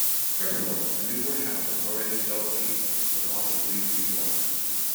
Furthermore, a newborn child with already developed teeth was also believed to be one.